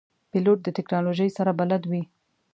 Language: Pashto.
پیلوټ د تکنالوژۍ سره بلد وي.